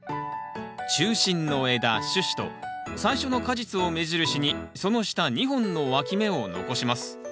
中心の枝主枝と最初の果実を目印にその下２本のわき芽を残します。